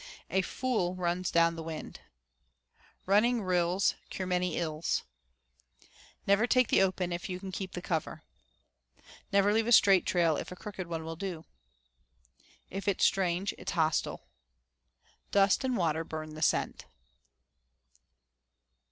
A fool runs down the wind. Running rills cure many ills. Never take the open if you can keep the cover. Never leave a straight trail if a crooked one will do. If it's strange, it's hostile. Dust and water burn the scent.